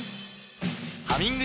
「ハミング」